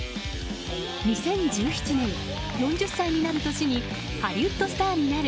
２０１７年、４０歳になる年にハリウッドスターになる！